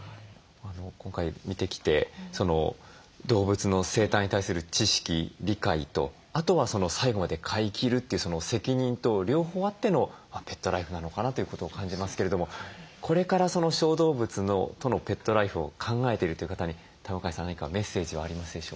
今回見てきて動物の生態に対する知識理解とあとは最後まで飼いきるという責任と両方あってのペットライフなのかなということを感じますけれどもこれから小動物とのペットライフを考えているという方に田向さん何かメッセージはありますでしょうか？